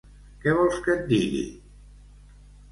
Què vols que et digui!